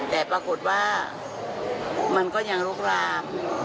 แต่ปรากฏว่ามันก็ยังลุกลาม